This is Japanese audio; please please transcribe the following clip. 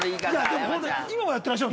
今もやってらっしゃる？